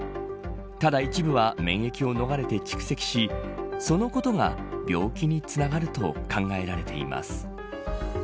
ただ、一部は免疫を逃れて蓄積しそのことが病気につながると考えられています。